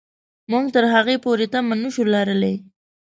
موږ تر هغې پورې تمه نه شو لرلای.